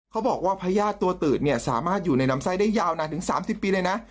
เขาบอกว่าพญาติตัวตืดเนี่ยสามารถอยู่ในลำไส้ได้ยาวนานถึง๓๐ปีเลยนะ